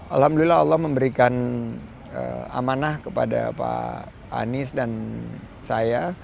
alhamdulillah allah memberikan amanah kepada pak anies dan saya